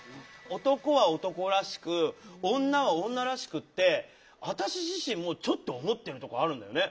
男は男らしく女は女らしくって私自身もちょっと思ってるとこあるのよね。